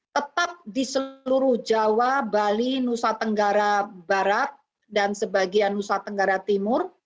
tetap di seluruh jawa bali nusa tenggara barat dan sebagian nusa tenggara timur